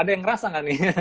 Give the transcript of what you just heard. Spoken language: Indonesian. ada yang ngerasa gak nih